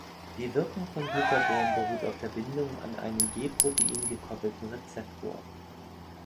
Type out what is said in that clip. Die Wirkung von Glucagon beruht auf der Bindung an einen G-Protein-gekoppelten Rezeptor.